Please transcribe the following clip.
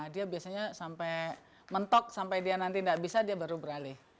dia biasanya sampai mentok sampai dia nanti tidak bisa dia baru beralih